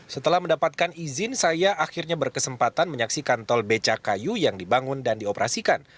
setelah mendapatkan izin saya akhirnya berkesempatan menyaksikan tol becakayu yang dibangun dan dioperasikan